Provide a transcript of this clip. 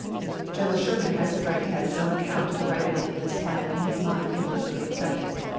General Sherman has the right to have his own account of the ripening of this plan in his mind implicitly accepted.